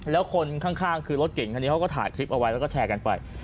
แล้วคนข้างคือรถเก่งคันนี้เขาก็ถ่ายคลิปเอาไว้แล้วก็แชร์กันไป